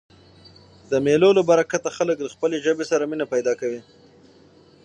د مېلو له برکته خلک له خپلي ژبي سره مینه پیدا کوي.